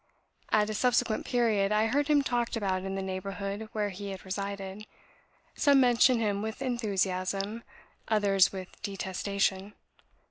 At a subsequent period, I heard him talked about in the neighbourhood where he had resided: some mention him with enthusiasm others with detestation.